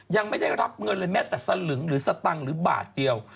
ยังไม่ได้รับเงินเลยแม้แต่สลึงหรือสตังค์หรือบาทเดียว